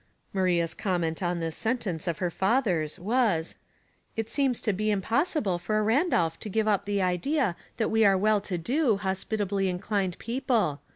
Maria's comment on this sentence of her father's, was, —" It seems to be impossible for a Randolph to give up the idea that we are well to do, hospita bly inclined people.